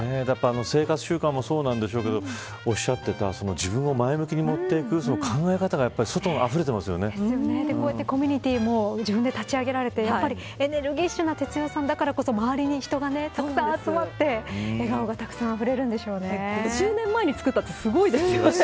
生活習慣もそうなんでしょうけどおっしゃっていた自分を前向きに持っていく考え方がコミュニティーも自分で立ち上げられてエネルギッシュな哲代さんだからこそ周りに人がたくさん集まって笑顔が、たくさんあふれるんでしょうね。